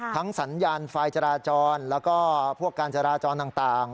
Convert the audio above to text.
สัญญาณไฟจราจรแล้วก็พวกการจราจรต่าง